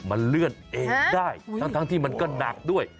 มันเลื่อนเองได้ทั้งที่มันก็หนักด้วย